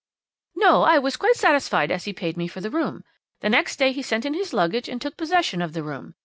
"'No, I was quite satisfied as he paid me for the room. The next day he sent in his luggage and took possession of the room.